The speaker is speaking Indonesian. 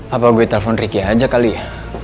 apa gue telpon ricky aja kali ya